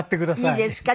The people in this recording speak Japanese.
いいですか？